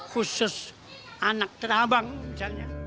khusus anak terabang misalnya